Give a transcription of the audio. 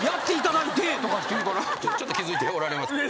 ちょっと気付いておられますか？